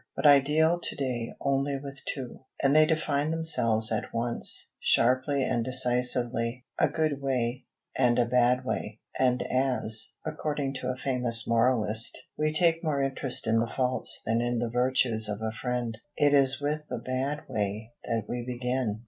But I deal to day only with two, and they define themselves at once, sharply and decisively a good way and a bad way; and as, according to a famous moralist, we take more interest in the faults than in the virtues of a friend, it is with the bad way that we begin.